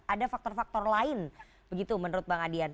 ada faktor faktor lain begitu menurut bang adian